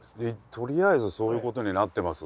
とりあえずそういうことになってます。